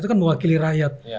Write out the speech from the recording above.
itu kan mewakili rakyat